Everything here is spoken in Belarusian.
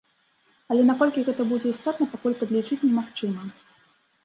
Але наколькі гэта будзе істотна, пакуль падлічыць немагчыма.